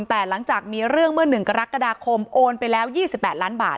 แต่หลังจากมีเรื่องเมื่อหนึ่งกรกฎาคมโอนไปแล้วยี่สิบแปดล้านบาท